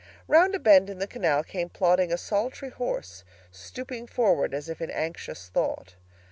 Round a bend in the canal came plodding a solitary horse, stooping forward as if in anxious thought.